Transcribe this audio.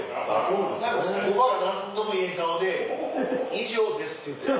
何かコバは何とも言えん顔で「以上です」って言うてん。